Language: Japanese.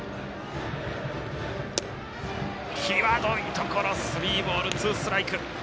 際どいところスリーボールツーストライク。